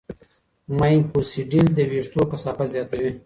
ماینوکسیډیل د وېښتو کثافت زیاتوي.